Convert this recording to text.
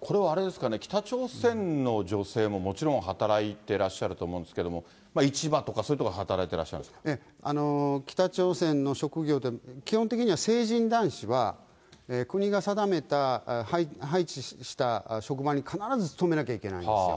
これはあれですかね、北朝鮮の女性ももちろん働いてらっしゃると思うんですけど、市場とか、そういう所で働いてらっしゃるん北朝鮮の職業って、基本的には成人男子は、国が定めた、配置した職場に必ず勤めなきゃいけないんですよ。